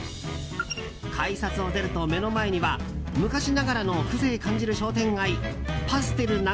改札を出ると目の前には昔ながらの風情感じる商店街ぱすてる